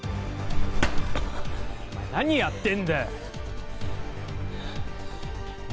何やってんだよ！